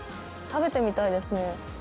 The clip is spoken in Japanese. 食べてみたいですね